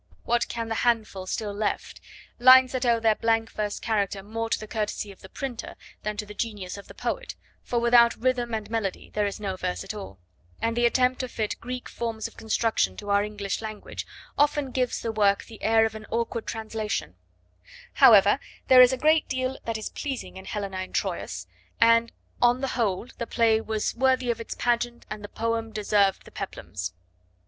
What can the handful still left? lines that owe their blank verse character more to the courtesy of the printer than to the genius of the poet, for without rhythm and melody there is no verse at all; and the attempt to fit Greek forms of construction to our English language often gives the work the air of an awkward translation; however, there is a great deal that is pleasing in Helena in Troas and, on the whole, the play was worthy of its pageant and the poem deserved the peplums.